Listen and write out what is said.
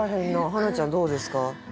花ちゃんどうですか？